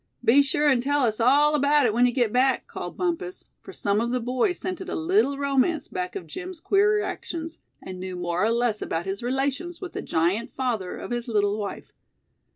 "Be sure and tell us all about it when you get back!" called Bumpus; for some of the boys scented a little romance back of Jim's queer actions, and knew more or less about his relations with the giant father of his little wife.